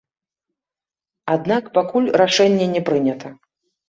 Аднак пакуль рашэння не прынята.